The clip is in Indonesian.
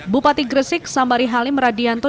bupati gresik sambari halim radianto